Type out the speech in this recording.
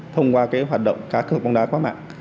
thông qua hoạt động cá cực bóng đá quá mạng